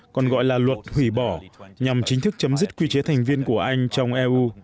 còn gọi là luật hủy bỏ nhằm chính thức chấm dứt quy chế thành viên của anh trong eu